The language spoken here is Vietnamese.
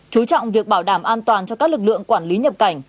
chú trọng việc bảo đảm an toàn cho các lực lượng quản lý nhập cảnh